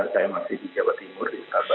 saya masih di jawa timur di sekarabaya